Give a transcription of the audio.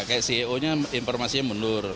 kayak ceo nya informasinya mundur